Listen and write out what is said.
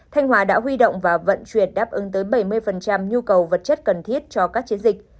thanh hòa đã huy động và vận chuyển đáp ứng tới bảy mươi nhu cầu vật chất cần thiết cho các chiến dịch